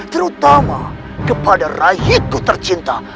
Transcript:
terutama kepada raihku tercinta